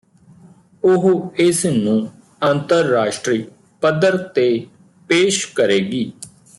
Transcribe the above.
ਉਹ ਇਸ ਨੂੰ ਅੰਤਰਰਾਸ਼ਟਰੀ ਪੱਧਰ ਤੇ ਪੇਸ਼ ਕਰੇਗੀ